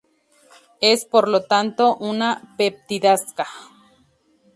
Es, por lo tanto, una peptidasa.